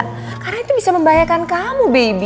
karena itu bisa membahayakan kamu baby